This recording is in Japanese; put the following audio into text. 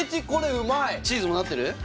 チーズもなってる？